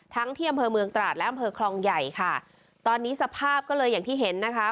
ที่อำเภอเมืองตราดและอำเภอคลองใหญ่ค่ะตอนนี้สภาพก็เลยอย่างที่เห็นนะคะ